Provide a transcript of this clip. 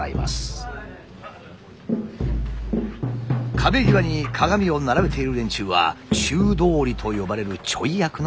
壁際に鏡を並べている連中は中通りと呼ばれるちょい役の役者たち。